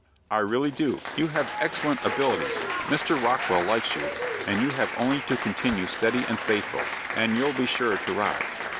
"I really do. You have excellent abilities, Mr. Rockwell likes you, and you have only to continue steady and faithful, and you'll be sure to rise."